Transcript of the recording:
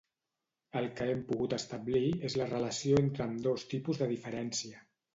El que hem pogut establir és la relació entre ambdós tipus de diferència.